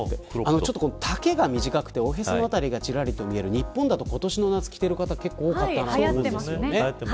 丈が短くておへその辺りがちらりと見える日本だと今年の夏、着ている方が多かったですよね。